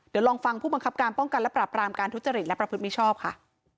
เดี๋ยวลองฟังผู้บังคับการป้องกันและปรับรามการทุจริตและประพฤติมิชชอบค่ะ